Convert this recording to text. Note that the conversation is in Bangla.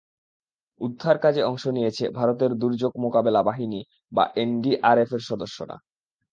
উদ্ধারকাজে অংশ নিয়েছে ভারতের দুর্যোগ মোকাবিলা বাহিনী বা এনডিআরএফের সদস্যরা।